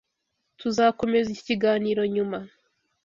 Tuzakomeza iki kiganiro nyuma.